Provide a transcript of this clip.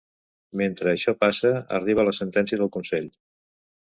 Mentre això passa, arriba la sentència del consell: